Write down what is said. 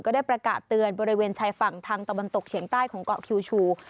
ได้ประกาศเตือนบริเวณชายฝั่งทางตะวันตกเฉียงใต้ของเกาะคิวชู